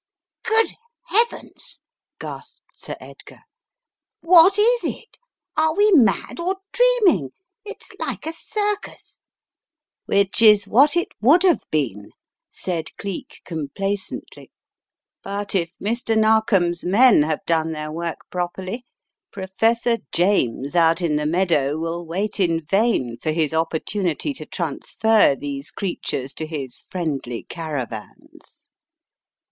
"Good Heavens," gasped Sir Edgar, "what is it? Are we mad or dreaming? It's like a circus." "Which is what it would have been," said Cleek, complacently, "but if Mr. Narkom's men have done their work properly, Professor James out in the meadow will wait in vain for his opportunity to trans fer these creatures to his friendly caravans."